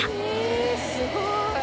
えぇすごい。